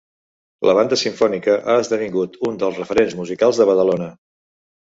La Banda Simfònica ha esdevingut un dels referents musicals de Badalona.